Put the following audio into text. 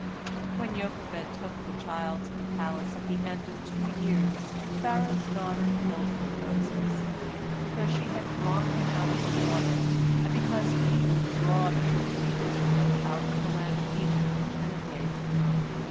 " When Jochebed took the child to the palace at the end of two years, Pharaoh's daughter called him Moses, because she had "drawn" him out of the water, and because he would "draw" the children of Israel out of the land of Egypt in a day to come.